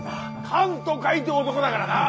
「カン」と書いて「漢」だからな！